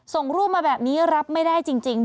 ส่งรูปมาแบบนี้รับไม่ได้จริง